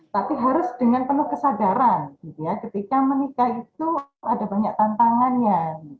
tapi harus dengan penuh kesadaran gitu ya ketika menikah itu ada banyak tantangannya